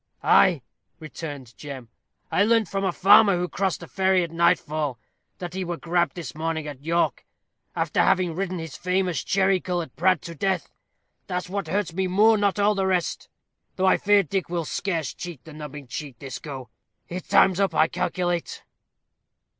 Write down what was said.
"Ay," returned Jem. "I learnt from a farmer who crossed the ferry at nightfall, that he were grabb'd this morning at York, after having ridden his famous cherry colored prad to death that's what hurts me more not all the rest; though I fear Dick will scarce cheat the nubbing cheat this go. His time's up, I calculate."